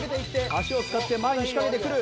足を使って前に仕掛けてくる。